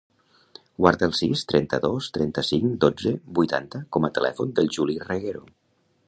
Guarda el sis, trenta-dos, trenta-cinc, dotze, vuitanta com a telèfon del Juli Reguero.